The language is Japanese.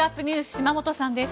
島本さんです。